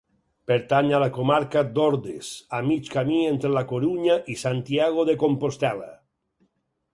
Pertany a la comarca d'Ordes, a mig camí entre La Corunya i Santiago de Compostel·la.